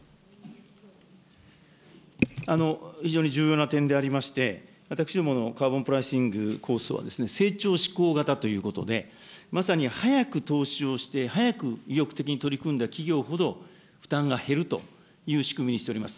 非常に重要な点でありまして、私どものカーボンプライシング構想は、成長志向型ということで、まさに早く投資をして、早く意欲的に取り組んだ企業ほど、負担が減るという仕組みにしております。